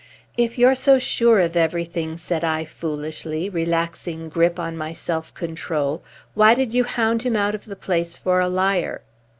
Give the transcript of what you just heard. "If you're so sure of everything," said I foolishly, relaxing grip on my self control, "why did you hound him out of the place for a liar?"